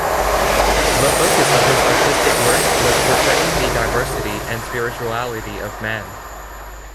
The focus of his artistic work was portraying the diversity and spirituality of man.